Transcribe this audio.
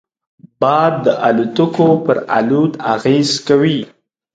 باد د الوتکو پر الوت اغېز کوي